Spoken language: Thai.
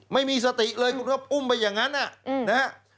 ไม่มีสติเลยคุณก็อุ้มไปอย่างนั้นนะฮะ